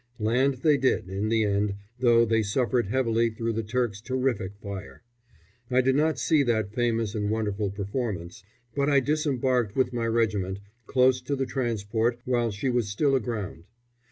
Land they did, in the end, though they suffered heavily through the Turks' terrific fire. I did not see that famous and wonderful performance, but I disembarked, with my regiment, close to the transport while she was still aground.